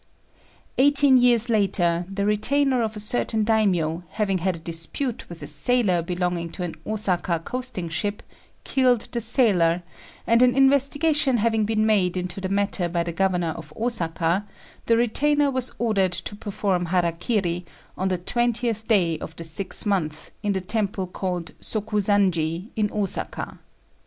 Eighteen years later, the retainer of a certain Daimio, having had a dispute with a sailor belonging to an Osaka coasting ship, killed the sailor; and, an investigation having been made into the matter by the Governor of Osaka, the retainer was ordered to perform hara kiri, on the twentieth day of the sixth month, in the temple called Sokusanji, in Osaka.